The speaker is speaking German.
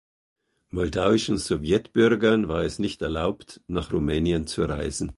Moldauischen Sowjetbürgern war es nicht erlaubt, nach Rumänien zu reisen.